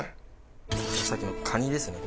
さっきのカニですね